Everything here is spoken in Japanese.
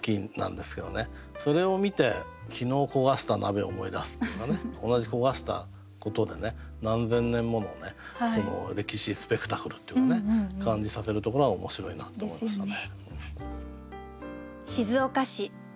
それを見て昨日焦がした鍋を思い出すっていうのがね同じ焦がしたことで何千年もの歴史スペクタクルっていうかね感じさせるところが面白いなと思いましたね。